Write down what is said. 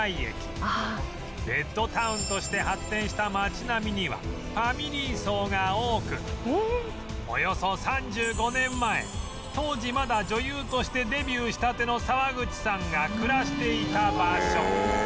ベッドタウンとして発展した街並みにはファミリー層が多くおよそ３５年前当時まだ女優としてデビューしたての沢口さんが暮らしていた場所